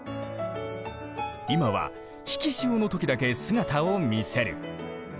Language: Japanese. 今は引き潮の時だけ姿を見せる。